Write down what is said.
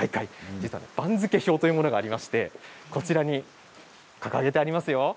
実は、番付表というものがありましてこちらに掲げてありますよ。